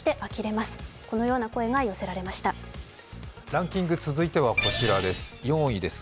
ランキング、続いてはこちらです。